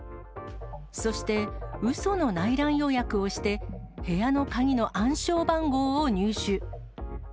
そして、うその内覧予約をして、部屋の鍵の暗証番号を入手。